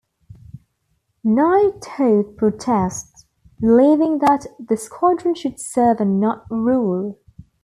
Nighthawk protests, believing that the Squadron should serve and not rule.